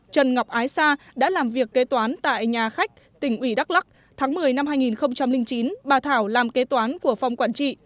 trần ngọc ái sa đã làm việc kế toán tại nhà khách tỉnh ủy đắk lắc tháng một mươi năm hai nghìn chín bà thảo làm kế toán của phòng quản trị